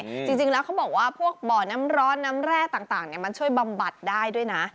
จริงจริงแล้วเขาบอกว่าพวกบ่อน้ำร้อนน้ำแร่ต่างต่างเนี้ยมันช่วยบำบัดได้ด้วยนะ